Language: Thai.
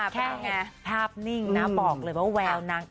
เป็นตังภักร์ไทยน่ะ